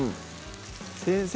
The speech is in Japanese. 先生